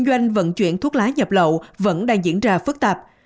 tình trạng kinh doanh vận chuyển thuốc lá nhập lậu vẫn đang diễn ra phức tạp